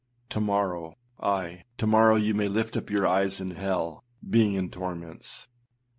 To morrow, ay, to morrow you may lift up your eyes in hell, being in torments.